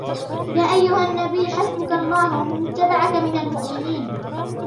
يَا أَيُّهَا النَّبِيُّ حَسْبُكَ اللَّهُ وَمَنِ اتَّبَعَكَ مِنَ الْمُؤْمِنِينَ